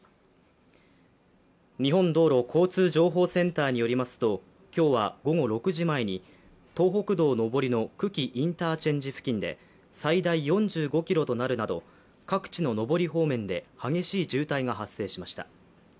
日本道路交通情報センターによりますと、今日は午後６時前に東北道上りの久喜インターチェンジ付近で最大４５ｋｍとなるなど各地の上り方面で激しい渋滞が発生しました。